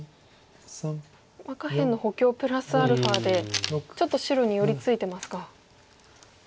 下辺の補強プラスアルファでちょっと白に寄り付いてますか。